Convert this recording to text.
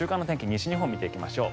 西日本見ていきましょう。